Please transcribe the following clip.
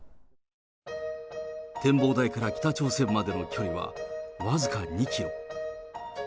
展望台から北朝鮮までの距離は、僅か２キロ。